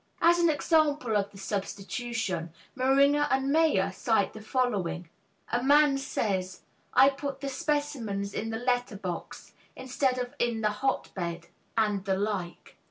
As an example of the substitution, Meringer and Mayer cite the following: "A man says, 'I put the specimens in the letterbox,' instead of 'in the hot bed,' and the like."